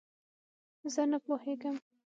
زۀ نۀ پوهېږم.